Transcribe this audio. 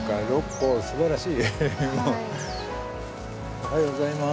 おはようございます。